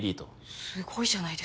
すごいじゃないですか。